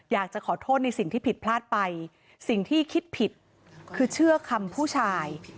อยากจะขอโทษในสิ่งที่ผิดพลาดไปสิ่งที่คิดผิดคือเชื่อคำผู้ชาย